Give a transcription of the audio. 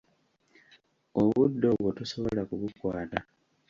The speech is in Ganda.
Obudde obwo tasobola kubukwata.